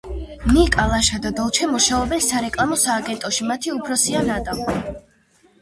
ნიკა, ლაშა და დოლჩე მუშაობენ სარეკლამო სააგენტოში მათი უფროსია ნატა.